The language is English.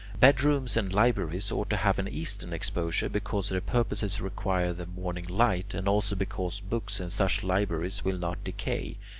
Bedrooms and libraries ought to have an eastern exposure, because their purposes require the morning light, and also because books in such libraries will not decay.